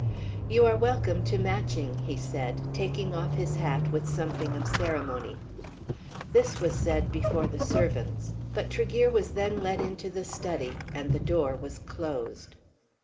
"You are welcome to Matching," he said, taking off his hat with something of ceremony. This was said before the servants, but Tregear was then led into the study and the door was closed.